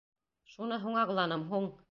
Шуны һуң аңланым, һуң!